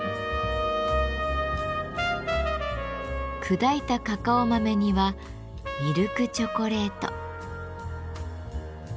砕いたカカオ豆にはミルクチョコレート。